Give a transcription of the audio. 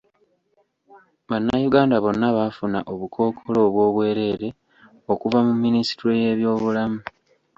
Bannayuganda bonna baafuna obukookoolo obw'obwerere okuva mu minisitule y'ebyobulamu.